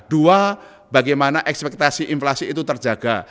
dua bagaimana ekspektasi inflasi itu terjaga